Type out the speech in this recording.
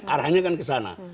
arahannya kan ke sana